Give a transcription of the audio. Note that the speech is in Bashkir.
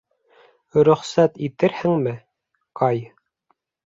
Рөхсәт итерһеңме, Кай?